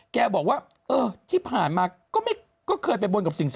แกบอกว่าที่ผ่านมา